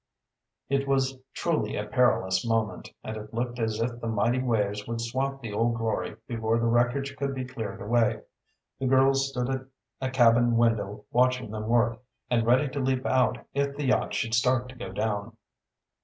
It was truly a perilous moment, and it looked as if the mighty waves would swamp the Old Glory before the wreckage could be cleared away. The girls stood at a cabin window watching the work and ready to leap out if the yacht should start to go down.